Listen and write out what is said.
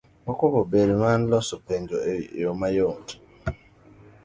Mokuong'o obed mar loso penjo e yo mayot.